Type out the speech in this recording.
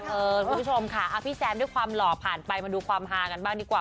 คุณผู้ชมค่ะพี่แซมด้วยความหล่อผ่านไปมาดูความฮากันบ้างดีกว่า